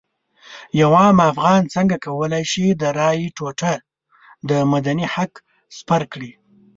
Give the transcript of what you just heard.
یو عام افغان څنګه کولی شي د رایې ټوټه د مدني حق سپر کړي.